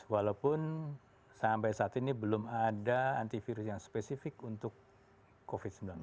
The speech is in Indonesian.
walaupun sampai saat ini belum ada antivirus yang spesifik untuk covid sembilan belas